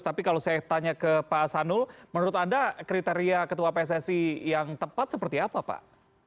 tapi kalau saya tanya ke pak sanul menurut anda kriteria ketua pssi yang tepat seperti apa pak